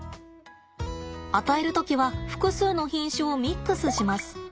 与える時は複数の品種をミックスします。